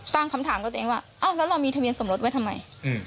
ตั้งคำถามกับตัวเองว่าเอ้าแล้วเรามีทะเบียนสมรสไว้ทำไม